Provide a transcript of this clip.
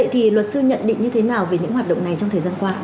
thì luật sư nhận định như thế nào về những hoạt động này trong thời gian qua